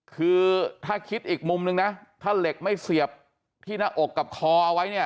คือถ้าคิดอีกมุมนึงนะถ้าเหล็กไม่เสียบที่หน้าอกกับคอเอาไว้เนี่ย